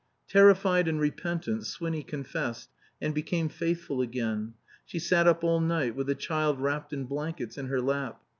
Terrified and repentant, Swinny confessed, and became faithful again. She sat up all night with the child wrapped in blankets in her lap.